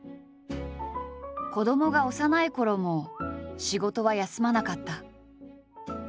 子どもが幼いころも仕事は休まなかった。